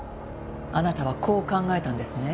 あなたはこう考えたんですね。